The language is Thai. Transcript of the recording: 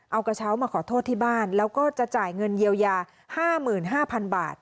เอากระเช้ามาขอโทษที่บ้านแล้วก็จะจ่ายเงินเยียวยา๕๕๐๐๐บาท